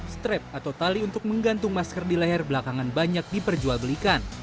strap atau tali untuk menggantung masker di leher belakangan banyak diperjualbelikan